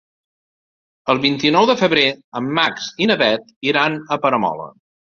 El vint-i-nou de febrer en Max i na Bet iran a Peramola.